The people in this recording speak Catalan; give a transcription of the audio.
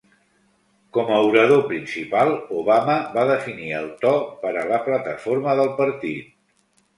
Com a orador principal, Obama va definir el to per a la plataforma del partit.